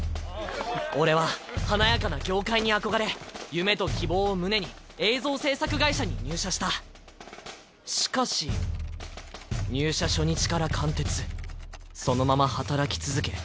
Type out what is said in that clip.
俺は華やかな業界に憧れ夢と希望を胸に映像制作会社に入社したしかし入社初日から完徹そのまま働き続け